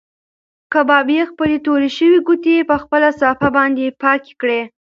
کبابي خپلې تورې شوې ګوتې په خپله صافه باندې پاکې کړې.